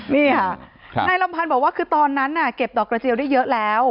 นี่ค่ะนายลำพันธ์บอกว่าคือตอนนั้นเก็บดอกกระเจียวได้เยอะแล้ว